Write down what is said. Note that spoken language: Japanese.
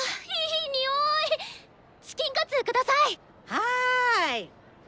はい。